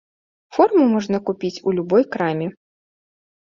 Форму можна купіць у любой краме.